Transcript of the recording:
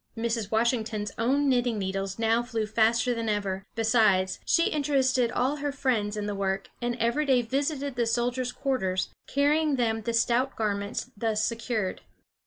Mrs. Washington's own knitting needles now flew faster than ever; besides, she interested all her friends in the work, and every day visited the soldiers' quarters, carrying them the stout garments thus secured.